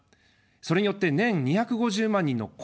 それによって年２５０万人の雇用を生む。